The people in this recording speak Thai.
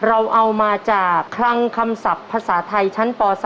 เราเอามาจากคลังคำศัพท์ภาษาไทยชั้นป๓